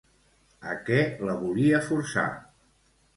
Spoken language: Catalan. A què la volia forçar?